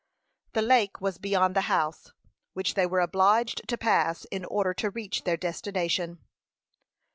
The lake was beyond the house, which they were obliged to pass in order to reach their destination.